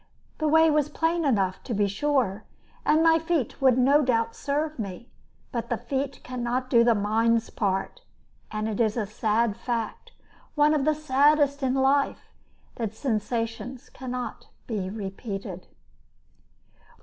The way was plain enough, to be sure, and my feet would no doubt serve me. But the feet cannot do the mind's part, and it is a sad fact, one of the saddest in life, that sensations cannot be repeated.